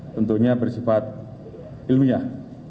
tentunya bersifat ilmiah